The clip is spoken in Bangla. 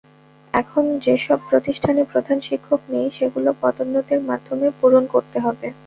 এখন যেসব প্রতিষ্ঠানে প্রধান শিক্ষক নেই, সেগুলো পদোন্নতির মাধ্যমে পূরণ করতে হবে।